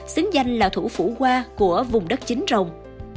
xứng danh là thủ phủ hoa của vùng đất chính rồng